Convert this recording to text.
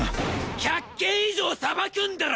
１００件以上捌くんだろ！